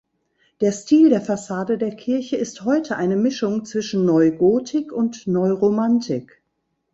Der Stil der Fassade der Kirche ist heute eine Mischung zwischen Neugotik und Neuromantik.